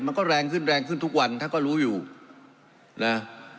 มันก็แรงขึ้นแรงขึ้นทุกวันท่านก็รู้อยู่นะ